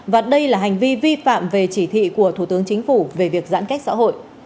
và đây là hành vi vi phạm về chỉ thị của thủ tướng chính phủ về việc giãn cách xã hội